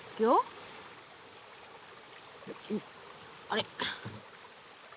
あれ。